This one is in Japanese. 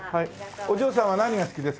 お嬢さんは何が好きですか？